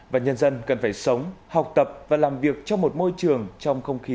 và nhân dân cần phải sống học tập và làm việc trong một môi trường trong không khí